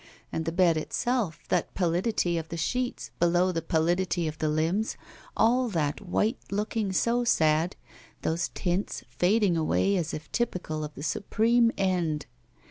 And the bed itself, that pallidity of the sheets, below the pallidity of the limbs, all that white looking so sad, those tints fading away as if typical of the supreme end!